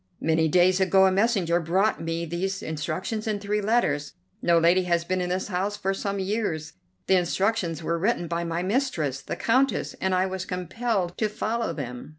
Many days ago a messenger brought me these instructions and three letters. No lady has been in this house for some years; the instructions were written by my mistress, the Countess, and I was compelled to follow them."